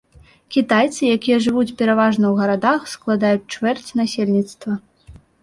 Кітайцы, якія жывуць пераважна ў гарадах, складаюць чвэрць насельніцтва.